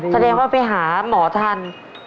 แสดงว่าไปหาหมอทัน